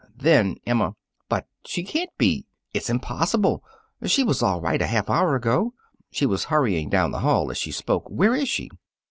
Then Emma: "But she can't be! It's impossible! She was all right a half hour ago." She was hurrying down the hall as she spoke. "Where is she?"